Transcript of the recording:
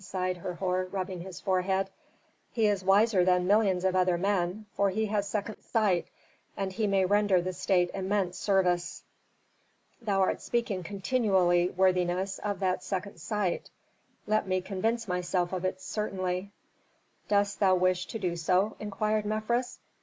sighed Herhor, rubbing his forehead. "He is wiser than millions of other men, for he has second sight and he may render the state immense service." "Thou art speaking continually, worthiness, of that second sight. Let me convince myself of it certainly." "Dost thou wish to do so?" inquired Mefres.